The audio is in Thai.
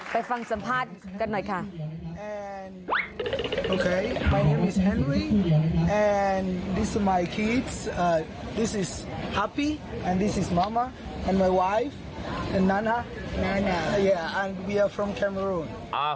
ไปฟังสัมภาษณ์กันหน่อยค่ะ